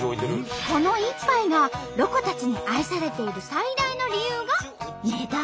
この１杯がロコたちに愛されている最大の理由が値段。